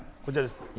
こちらです。